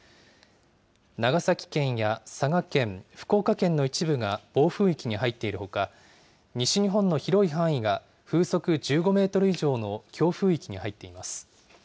長崎県や佐賀県、福岡県の一部が暴風域に入っているほか、西日本の広い範囲が風速１５メートル以上の強風域に入っています。